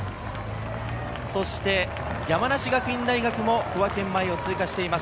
そして山梨学院大学も小涌園前を通過しています。